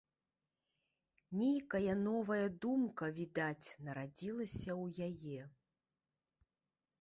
Нейкая новая думка, відаць, нарадзілася ў яе.